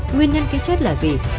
nguyên nhân cái chết là gì